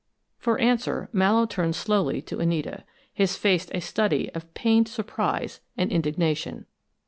For answer, Mallowe turned slowly to Anita, his face a study of pained surprise and indignation.